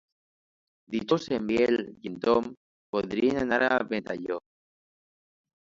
Dijous en Biel i en Tom voldrien anar a Ventalló.